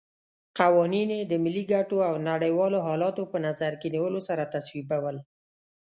قوانین یې د ملي ګټو او نړیوالو حالاتو په نظر کې نیولو سره تصویبول.